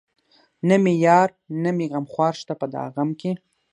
نه مې يار نه مې غمخوار شته په دا غم کې